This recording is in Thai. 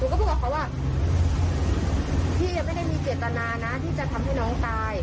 ก็พูดกับเขาว่าพี่ไม่ได้มีเจตนานะที่จะทำให้น้องตาย